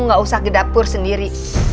kamu gak usah ke dapur sendiri